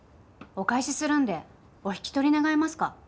お返しするんでお引き取り願えますか？